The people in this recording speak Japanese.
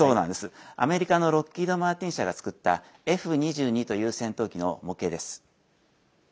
アメリカのロッキード・マーチン社が作ったＦ２２という戦闘機の模型です。